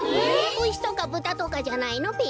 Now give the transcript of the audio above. うしとかぶたとかじゃないのべ？